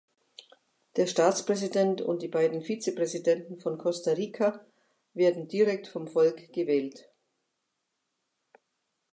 Der Staatspräsident und die beiden Vizepräsidenten von Costa Rica werden direkt vom Volk gewählt.